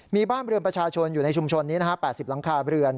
มีบ้านเรือนประชาชนอยู่ในชุมชนนี้๘๐หลังคาเรือน